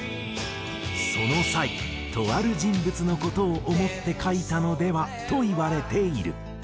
その際とある人物の事を想って書いたのでは？といわれている。